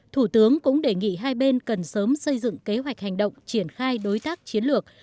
thủ tướng cũng đề nghị hai bên cần sớm xây dựng kế hoạch hành động triển khai đối tác chiến lược